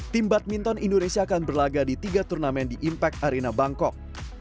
tim badminton indonesia akan berlaga di tiga turnamen di impact arena bangkok